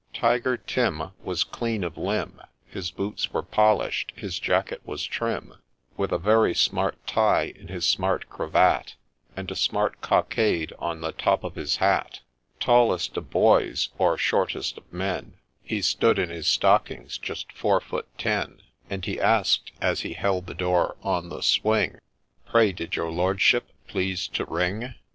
Tiger Tim Was clean of limb. His boots were polish'd, his jacket was trim ; With a very smart tie in his smart cravat, And a smart cockade on the top of his hat ; Tallest of boys, or shortest of men, He stood in his stockings just four foot ten ; And he ask'd, as he held the door on the swing, ' Pray, did your Lordship please to ring